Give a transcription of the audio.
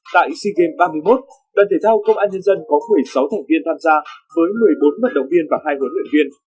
tại sea games ba mươi một đoàn thể thao công an nhân dân có một mươi sáu thành viên tham gia với một mươi bốn vận động viên và hai huấn luyện viên